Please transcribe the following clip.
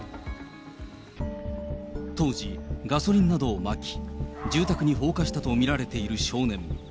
当時、ガソリンなどをまき、住宅に放火したと見られている少年。